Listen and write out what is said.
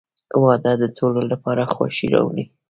• واده د ټولو لپاره خوښي راوړي.